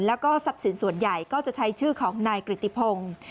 แล้วก็ทรัพย์สินส่วนใหญ่ก็จะใช้ชื่อของนายกริติพงศ์